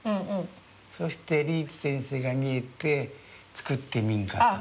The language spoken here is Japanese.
そしてリーチ先生が見えて「作ってみんか？」と。